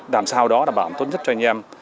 làm sao đó đảm bảo tốt nhất cho anh em